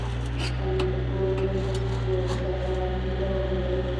علي د کور نر د سحرا ګیدړه ده.